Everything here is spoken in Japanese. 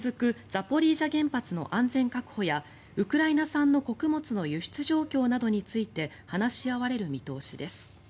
ザポリージャ原発の安全確保やウクライナ産の穀物の輸出状況などについて話し合われる見通しです。